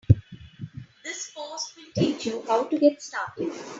This post will teach you how to get started.